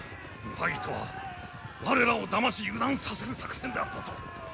和議とは我らをだまし油断させる作戦であったぞ。